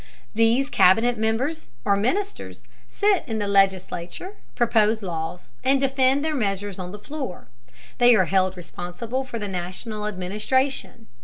These Cabinet members, or ministers, sit in the legislature, propose laws, and defend their measures on the floor. They are held responsible for the national administration.